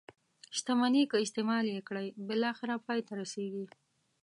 شتمني که استعمال یې کړئ بالاخره پای ته رسيږي.